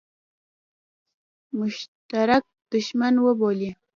مشترک دښمن وبولي.